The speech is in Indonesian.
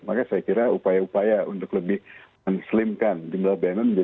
maka saya kira upaya upaya untuk lebih men slimkan jumlah bumn